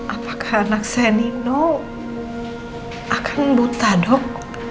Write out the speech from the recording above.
apakah anak saya nino akan buta dok